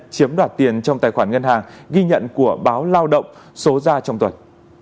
chiếm đoạt tiền trong tài khoản ngân hàng ghi nhận của báo lao động số ra trong tuần